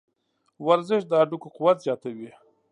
ورزش د هډوکو قوت زیاتوي.